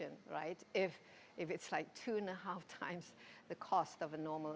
jika harganya seperti dua lima kali lebih dari harga mobil normal